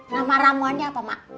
nama ramuannya apa mak